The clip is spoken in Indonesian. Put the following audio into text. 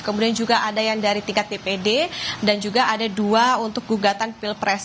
kemudian juga ada yang dari tingkat dpd dan juga ada dua untuk gugatan pilpres